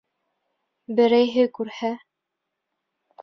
Берәйһе күрһә...